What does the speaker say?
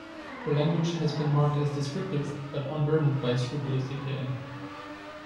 Her language has been marked as descriptive but unburdened by scrupulous detailing.